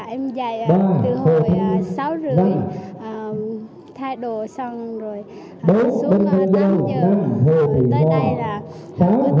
em dạy từ hồi sáu h ba mươi thay đồ xong rồi xuống tám h tới đây là hồi tám h ba mươi